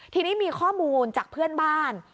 ทีนี้มีข้อมูลจากเพื่อนบ้าน